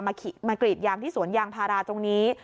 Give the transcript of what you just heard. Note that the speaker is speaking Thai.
มากรีดยางที่สวนยางพาราตรงนี้